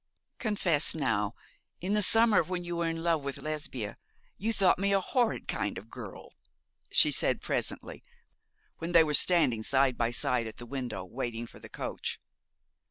'Confess, now, in the summer, when you were in love with Lesbia, you thought me a horrid kind of girl,' she said, presently, when they were standing side by side at the window, waiting for the coach.